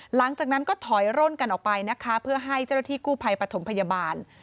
หลังจากนั้นก็ถอยร่นกันออกไปนะคะเพื่อให้เจ้าหน้าที่กู้ภัยปฐมพยาบาล